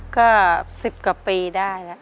ก็สิบกว่าปีได้